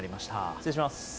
失礼します。